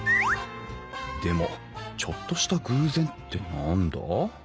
でもちょっとした偶然って何だ？